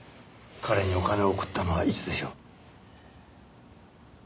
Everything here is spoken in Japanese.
彼にお金を送ったのはいつでしょう？